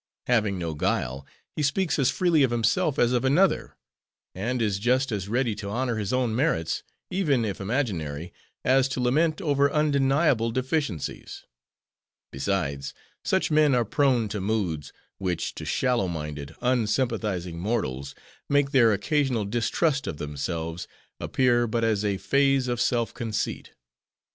Having no guile, he speaks as freely of himself, as of another; and is just as ready to honor his own merits, even if imaginary, as to lament over undeniable deficiencies. Besides, such men are prone to moods, which to shallow minded, unsympathizing mortals, make their occasional distrust of themselves, appear but as a phase of self conceit.